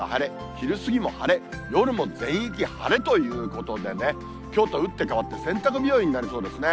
昼過ぎも晴れ、夜も全域晴れということでね、きょうと打って変わって、洗濯日和になりそうですね。